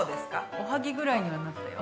おはぎぐらいにはなったよ。